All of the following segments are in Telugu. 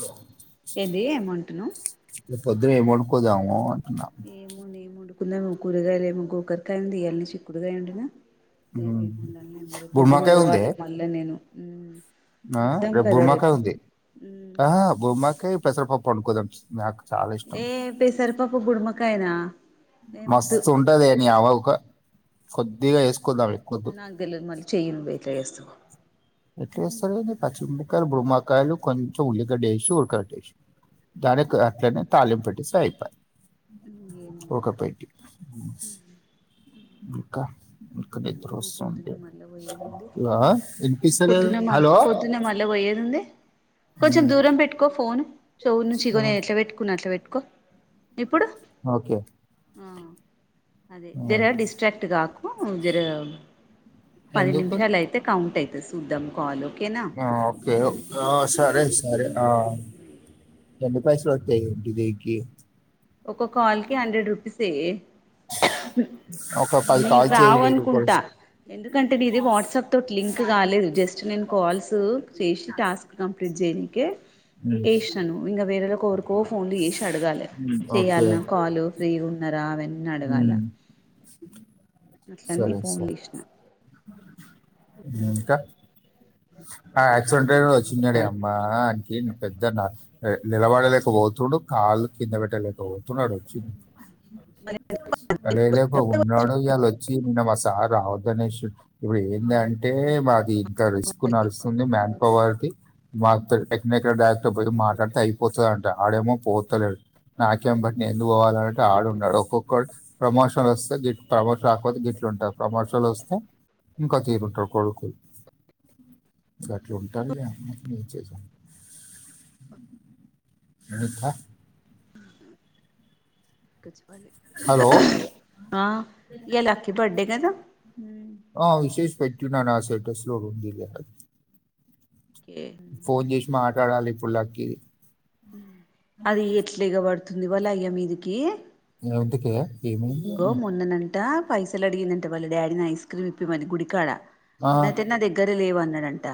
లో [unintelligible] ఏంది ఏం అంటున్నావ్ రేయ్ పొద్దున్నే ఏం వండుకోదాము అంటున్నా కుందాం కూరగాయలే గోకరికాయ ఉంది ఇయాలనే చిక్కుడుకాయ వండినా రేపు ఉమ్. ఏముండాలో ఏమో రేప్ బుర్మాకాయ ఉంది పొద్దుగాలపోవాలి మళ్ళ నేను ఆ ఎగ్జామ్ రేపు కదా బూమ్మాకాయ్ ఉంది మ్మ్ అహ బూమ్మాకాయ్ పెసరపప్పు వోడుకొద్దాం ఏ పేసర్పాపు బూమ్మాకాయ్ నా మస్తుంటదే నీ అవ్వ ఉకో నాకు తెలిదు మళ్ళీ చెయ్ నువ్వు ఎట్లా చేస్తావో ఎట్లే ఎస్తమెంది పచ్చిమిర్పాయలు బూమాకలు కొంచెం ఉల్లిగడ్డ ఎసి ఉడ్కపెట్టేసి దానికి అట్లనే తాలింపెట్టేస్తె అయిపాయె ఏమో ఒక మళ్ళా పయటి స్ ఇంక ఇంకా నిద్ర మేము పొద్దున్న ఓస్తుంటే ఇలా పొద్దున మా పొద్దున్న మళ్ళ పోయ్యేదుంది కొంచెం ఉమ్, దూరం పెట్టుకో ఫోన్ చెవు నుంచి ఇగో ఆ, నేను ఎట్లా పెట్టుకున్న అట్లా పెట్టుకో ఏప్పుడు ఓకే అదే ఆ, జర డిస్ట్రాక్ట్ కాకు జర పది ఎందుకు నిమిషాలు అయితే కౌంట్ అయితది చూద్దాం కాల్ ఓకేనా ఆ ఓకే ఒక్క సరే సరే ఆ ఎన్ని పైసలయితయి టిది కి ఒకొ కాల్ కి హండ్రెడ్ రూపీస్ ఏ ఒక పది మీకు కాల్ చేయి వెయ్యి రూపాయలు రావనుకుంటా ఎందుకు ఎందుకంటే నీది వాట్సాప్ తోటి లింక్ కాలేదు జస్ట్ నేను కాల్స్ చేసి టాస్క్ కంప్లీట్ చేయని కె ఉమ్, వేసినాను ఇంగ వేరోలాకి ఎవరికో ఫోన్లు చేసి అడగాలె ఉమ్, ఓకే చెయాలన కాలు ఫ్రీగున్నారా అవన్నీ అడగాల ఉమ్, అట్లన్నీ ఫోన్ చేసిన మ్ ఇంకా ఆ యాక్సిడెంట్ ఆయనోడు వచ్చిండలేడమ్మా అంటే పెద్దన్న నిలబడలేకపోతుండు కాళ్ళు కింద పెట్టలే ఓవ్తున్నడు వచ్చి అలా లేకో ఉన్నాడు ఇయాళ వచ్చి నిన్న మా సా రావద్ గణేష్ ఇప్పుడు ఏందంటే మాది ఇంత రిస్క్ నడుస్తుంది మ్యాన్ పవర్ది మాకు ఎక్కడనెక్కడ డైరెక్ట్ పోయ మాట్లాడితే అయిపోతదంట ఆడేమో పోతలేదు నాకేం బట్టింది నేనెందుకు పోవాలా ఆనంటే ఆడున్నాడు ఒక్కొక్కడు ప్రమోషన్ వస్తే గిట్టు ప్రమోషన్ రాకపోతే గిట్లు ఉంటారు ప్రమోషన్లు వస్తే ఇంకోతీరు ఉంటరు కొడుకులు గట్లు ఉంటాదిగ న చేసిన అయ్యిందా ప్పాలి హలో ఆ ఇయాల లక్కీ బర్డే కద ఆ విశేస్ పెట్టినా నా స్టేటస్లోగుంది ఓకే ఫోన్ జేసీ మాట్లాడాలి ఇప్పుడులక్కి అది ఎట్లేగబడుతుంది వాలఅయ్య మీదికి నీకెందుకె ఇంగో మొన్ననంట పైసలు అడిగిందంట వాళ్ళ డాడీని ఐస్ క్రీమ్ ఇప్పిమని గుడికాడ ఆ నా తెే నా దగ్గర లేవు అన్నాడంట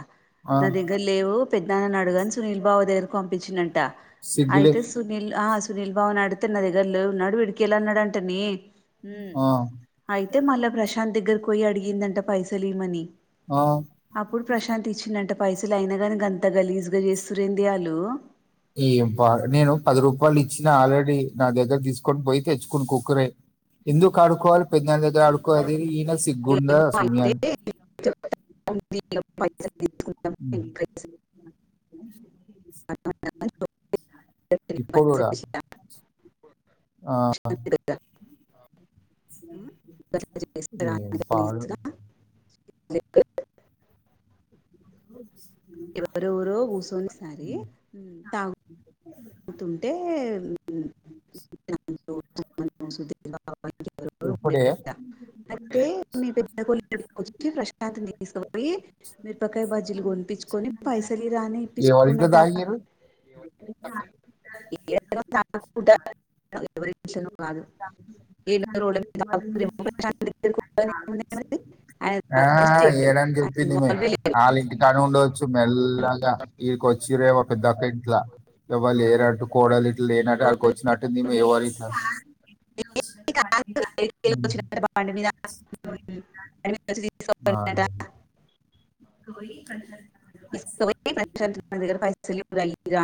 ఆ నా దగ్గర లేవు పెద్నానని అడుగని సునీల్ బావ దగ్గరకు పంపించిండంట సిగ్గులే అయితే సునీల్ ఆ సునీల్ బావ అడుగుతె న దగ్గర లేవు నడువు ఇడికెళ్ళి అన్నడ టనే మ్ ఆ అయితే మళ్ళా ప్రశాంత్ దగ్గరకి పోయి అడిగిందంట పైస తెలియమని ఆ అప్పుడు ప్రశాంత్ ఇచ్చినంట పయసలు అయినగాని గంత గలీజ్గచేస్ ఎం వ నేను పదురూ పాలు ఇచ్చినా ఆల్రెడీ నా దగ్గర తీసుకొని పోయి తెచ్చుకుని కుక్కురే ఎందుకు ఆడుకోవాలి ఇ పెదనాన్న దగ్గర ఆడుక్కో అది ఈన సిగ్గుందా ఏమో సుమయా అయితే పైస తీసుకుందాం [inaudible] ఇప్పుడు కూడా [inaudible] ఆ ఉమ్ ఏం [unintelligible] పాడు ఇచ్చుగా ఎవరేవరో కూసోని ఈ మ్ తాగు [unintelligible] [unintelligible] ఇప్పుడే అయితే మీ పెద్ద కొడుకు దగ్గరకొచ్చి ప్రశాంత తీసుకవొయ్యి మిరుపకాయ బజ్జీలు కొనిపించుకొని పైసలు ఇయిరా అని ఎవరింట్లో ఇప్పించుకున్నాడంట తాగిరు [unintelligible] ఎవరింట్లనో గాదు ప్రశాంత్ దగ్గరికి పోతారేమో, ఏముంది మరి? ఆయన ఆ తాగడు చేయడు ఏడని ఆయన చెప్పిందిమే ఇన్వాల్వ్ లేదు. ఆళ్ళ ఇంటి కాడ ఉండొచ్చు మెల్లగా ఇడికి వ చిరే ఒక డబ్ ఇంట్లా ఎవళ లేనట్టు కోడలు ఇట్లా లేనట్టు అడికి వచ్చినట్టుందిమె ఎవరు ఈమె [unintelligible] [unintelligible] తీసుకపోయ్యి ప్రశాంతు నా దగ్గర పైసల్ లెవ్వురా ఇయ్యిరా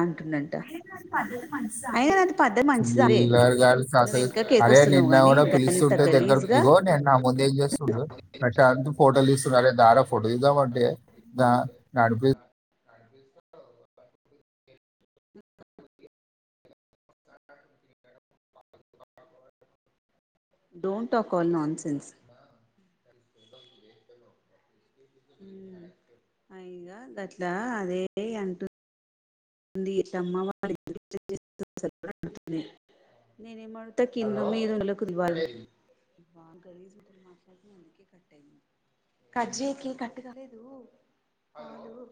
అయినా అది పద్ధతె అది పద్ధతి మంచిదా అరే చిల్లార్ గాడు నువ్వు వెనుక కేక్ [unintelligible] వస్తున్నావు నిన్న కానీ కూడా అంత పిలుస్తుంటే గలీజ్ దగ్గరకు గా ఇగో నేన్ నా ముందు ఏం చేస్తుండు ప్రశాంతు ఫోటోలు దీస్ నురే దారా ఫోటో దిగుదాం అంటే న నడ్ పి నడిపిస్తావ్ [inaudible] [unintelligible] don't talk all nonsense ఉమ్ అయిగా గట్లా అదే అంటు ది ఎట్ల అమ్మ [unintelligible] నేనేమంట కింద మీద ఉన్నోళ్ళకి ఇవ్వాలె కట్ జేయకే కట్ కాలేదు కాలు